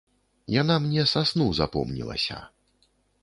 Яна мне са сну запомнілася.